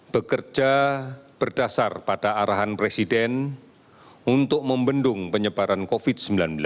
bekerja berdasar pada arahan presiden untuk membendung penyebaran covid sembilan belas